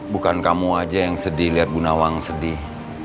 bukan kamu aja yang sedih lihat bu nawang sedih